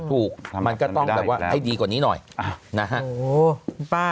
ถูกมันก็ต้องแบบว่าให้ดีกว่านี้หน่อยนะฮะ